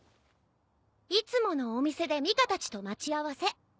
いつものお店でミカたちと待ち合わせ。